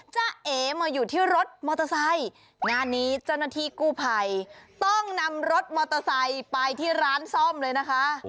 เอ๋มาอยู่ที่รถมอเตอร์ไซค์งานนี้เจ้าหน้าที่กู้ภัยต้องนำรถมอเตอร์ไซค์ไปที่ร้านซ่อมเลยนะคะ